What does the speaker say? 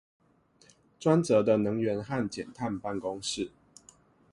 專責的能源和減碳辦公室